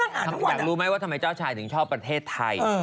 อยากรู้ไหมว่าทำไมเจ้าชายถึงชอบประเทศไทย